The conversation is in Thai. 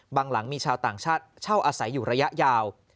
หลังมีชาวต่างชาติเช่าอาศัยอยู่ระยะยาว